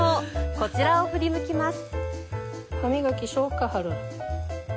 こちらを振り向きます。